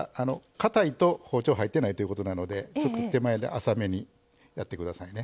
かたいと包丁入ってないということなのでちょっと手前で浅めにやってくださいね。